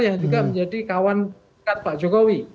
yang juga menjadi kawan dekat pak jokowi